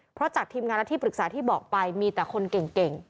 เพราะจากทีมงานและที่ปรึกษาที่บอกไปมีแต่คนเก่ง